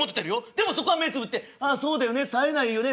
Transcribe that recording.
でもそこは目ぇつぶって「ああそうだよねさえないよね。